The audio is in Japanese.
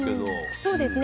そうですね。